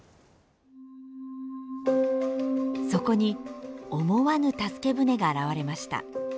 そこに思わぬ助け船が現れました。